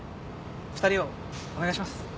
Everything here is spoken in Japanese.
２人をお願いします。